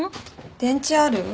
電池ある？